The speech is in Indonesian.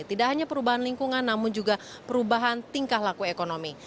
tidak hanya perubahan lingkungan namun juga perubahan tingkah laku ekonomi